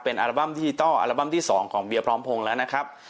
เป็นอัลบั้มดิจิทัลอัลบั้มที่๒ของเบียพร้อมพงศ์แล้วนะครับ